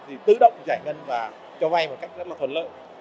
thì tự động giải ngân và cho vay một cách rất là thuận lợi